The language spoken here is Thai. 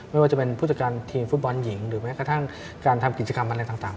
ไม่ว่าจะเป็นผู้จัดการทีมฟุตบอลหญิงหรือแม้กระทั่งการทำกิจกรรมอะไรต่าง